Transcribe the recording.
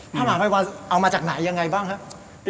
พระมหาภัยวันเอามาจากไหนยังไงบ้างครับ